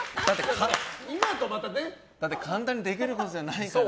だって簡単にできることじゃないから。